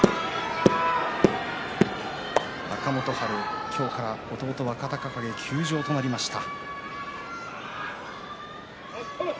若元春、今日から弟若隆景が休場となりました。